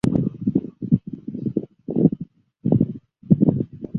西大路站是一个位于京都市南区唐桥西平垣町之铁路车站。